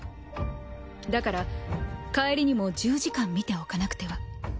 だから帰りにも１０時間みておかなくては。